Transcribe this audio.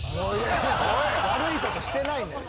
悪いことしてないねん。